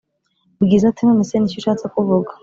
bwiza ati"nonese niki ushatse kuvuga